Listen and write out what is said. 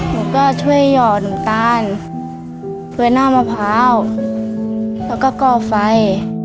หนูก็ช่วยห่อหนูตาลเพื่อยหน้ามะพร้าวแล้วก็ก่อไฟ